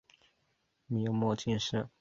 明末进士。